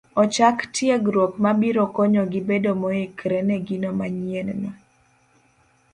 ochak tiegruok mabiro konyogi bedo moikore ne gino manyienno.